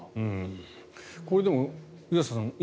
これでも、湯浅さん